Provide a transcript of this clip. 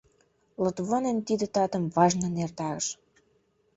Лотвонен тиде татым важнын эртарыш.